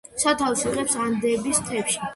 სათავეს იღებს ანდების მთებში.